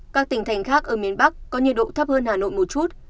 các tỉnh thành khác ở miền bắc có nhiệt độ thấp hơn hà nội một chút